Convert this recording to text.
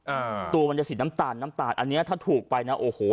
อ่าตัวมันจะสีน้ำตาลน้ำตาลอันเนี้ยถ้าถูกไปนะโอ้โห